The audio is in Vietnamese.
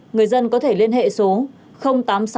người dân có thể liên hệ số